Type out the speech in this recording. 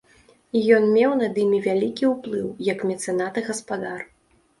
Ён меў над імі вялікі ўплыў, як мецэнат і гаспадар.